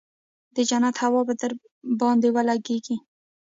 د جنت هوا به درباندې ولګېګي.